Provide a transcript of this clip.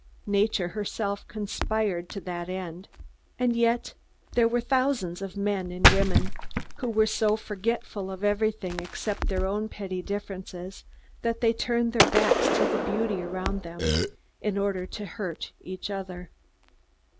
Nature herself conspired to that end. And yet, there were thousands of men and women who were so forgetful of everything except their own petty differences that they turned their backs to the beauty around them, in order to try to hurt each other.